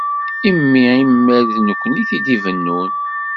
Imi imal d nekkni i t-id-ibennun.